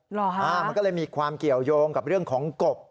เหรอฮะมันก็เลยมีความเกี่ยวยงกับเรื่องของกบ